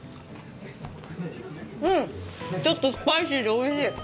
うん、ちょっとスパイシーでおいしい。